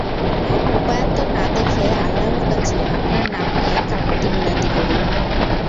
উপায়ান্তর না দেখে আল্লাহর কাছে আপনার নাম নিয়ে কাকুতি-মিনতি করি।